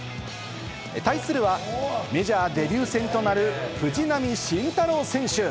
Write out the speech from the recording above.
対するはメジャーデビュー戦となる藤浪晋太郎選手。